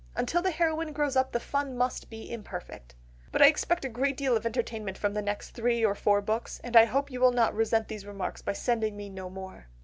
Until the heroine grows up the fun must be imperfect, but I expect a great deal of entertainment from the next three or four books, and I hope you will not resent these remarks by sending me no more."